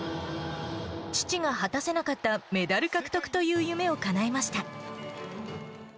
父が果たせなかったメダル獲得という夢をかなえました。